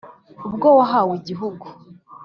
ubwo wahawe igihugu,